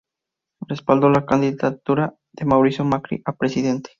Respaldó la candidatura de Mauricio Macri a presidente.